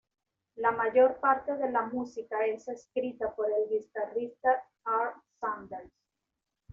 La mayor parte de la música es escrita por el guitarrista Karl Sanders.